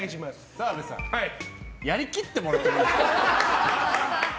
澤部さんやりきってもらっていいですか？